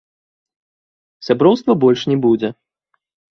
Сяброўства больш не будзе.